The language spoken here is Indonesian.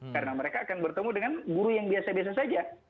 karena mereka akan bertemu dengan guru yang biasa biasa saja